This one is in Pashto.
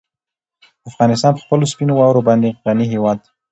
افغانستان په خپلو سپینو واورو باندې غني هېواد دی.